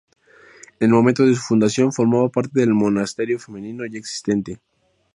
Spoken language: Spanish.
En el momento de su fundación formaba parte del monasterio femenino ya existente.